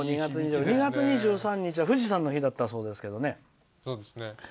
２月２３日は富士山の日だったそうですけどね。